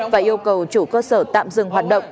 và yêu cầu chủ cơ sở tạm dừng hoạt động